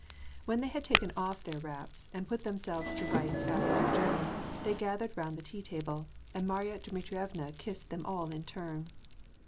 When they had taken off their wraps, and put themselves to rights after their journey, they gathered round the tea table, and Marya Dmitrievna kissed them all in turn.